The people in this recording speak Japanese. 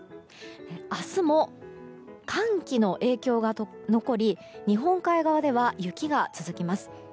明日も寒気の影響が残り日本海側では雪が続きます。